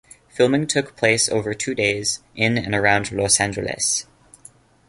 Filming took place over two days in and around Los Angeles.